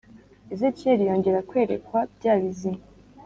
Ezekiyeli yongera kwerekwa bya bizima